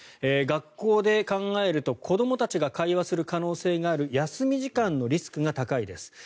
学校で考えると子どもたちが会話する可能性がある休み時間のリスクが高いです。